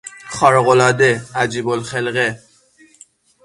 خارقالعاده، عجیبالخلقه